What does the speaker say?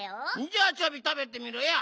じゃあチョビたべてみろよ！